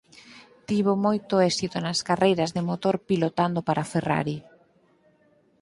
Tivo moito éxito nas carreiras de motor pilotando para Ferrari.